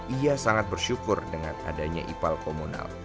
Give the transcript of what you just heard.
ia sangat bersyukur dengan adanya ipal komunal